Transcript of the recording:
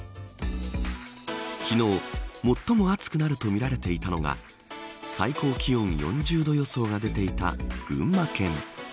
昨日、最も暑くなるとみられていたのが最高気温４０度予想が出ていた群馬県。